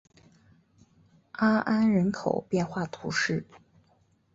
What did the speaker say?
阿安人口变化图示